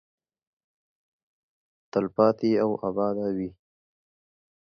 تلپاتې او اباده وي.